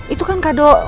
itu kan kado ulang tahun